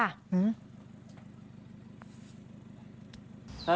อื้อ